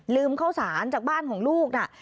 ข้าวสารจากบ้านของลูกน่ะ